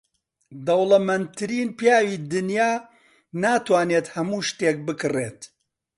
دەوڵەمەندترین پیاوی دنیا ناتوانێت هەموو شتێک بکڕێت.